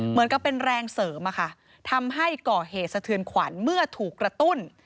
เหมือนกับเป็นแรงเสริมอะค่ะทำให้ก่อเหตุสะเทือนขวัญเมื่อถูกกระตุ้น